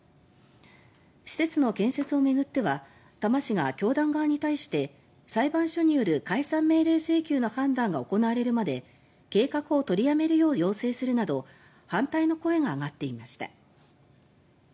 施設の建設を巡っては多摩市が教団側に対して裁判所による解散命令請求の判断が行われるまで計画を取りやめるよう要請するなど反対の声が上がっていました。